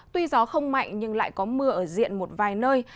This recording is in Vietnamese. tuy gió không mạnh nhưng lại có mưa ở diện một vài nơi